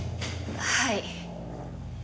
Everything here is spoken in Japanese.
はい。